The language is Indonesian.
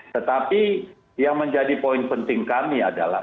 tetapi yang menjadi poin penting kami adalah